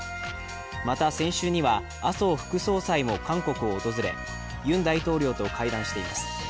また、先週には麻生副総裁も韓国を訪れユン大統領と会談しています。